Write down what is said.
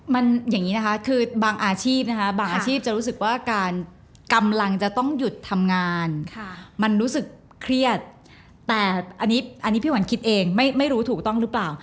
มันอย่างนี้นะคะคือบางอาชีพนะคะบางอาชีพจะรู้สึกว่าการกำลังจะต้องหยุดทำงานมันรู้สึกเครียดแต่อันนี้พี่หวันคิดเองไม่รู้ถูกต้องหรือเปล่า